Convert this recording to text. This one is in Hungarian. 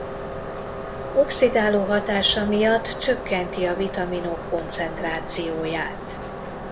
Oxidáló hatása miatt csökkenti a vitaminok koncentrációját.